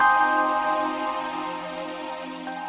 karena rasul punya isu yang prasat